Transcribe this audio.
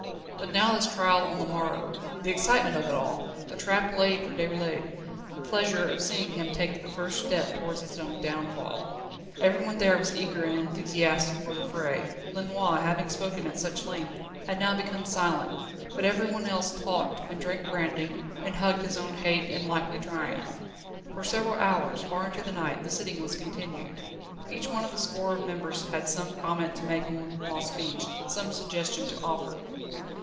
But now this trial on the morrow the excitement of it all, the trap laid for Déroulède, the pleasure of seeing him take the first step towards his own downfall. Everyone there was eager and enthusiastic for the fray. Lenoir, having spoken at such length, had now become silent, but everyone else talked, and drank brandy, and hugged his own hate and likely triumph. For several hours, far into the night, the sitting was continued. Each one of the score of members had some comment to make on Lenoir's speech, some suggestion to offer.